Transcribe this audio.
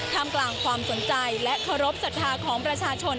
ทำกลางความสนใจและเคารพสัทธาของประชาชน